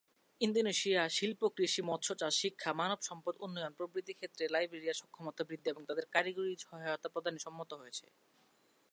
Indonesia, শিল্প, কৃষি, মৎস্য চাষ, শিক্ষা, মানবসম্পদ উন্নয়ন প্রভৃতি ক্ষেত্রে, লাইবেরিয়ার সক্ষমতা বৃদ্ধি এবং তাদের কারিগরি সহায়তা প্রদানে সম্মত হয়েছে।